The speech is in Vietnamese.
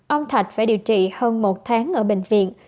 ông thạch phải điều trị hơn một tháng ở bệnh viện